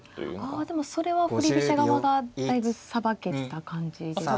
あでもそれは振り飛車側がだいぶさばけた感じですか。